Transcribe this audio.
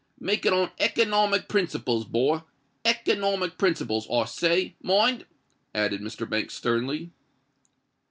Make it on economic principles, boy—economic principles, I say, mind!" added Mr. Banks, sternly.